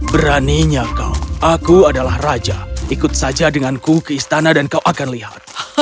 beraninya kau aku adalah raja ikut saja denganku ke istana dan kau akan lihat